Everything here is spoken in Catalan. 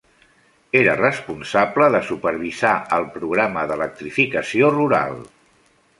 Era responsable de supervisar el Programa d'Electrificació Rural.